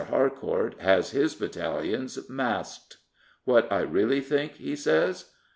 Harcourt has his battalions masked. " What I really think," he says.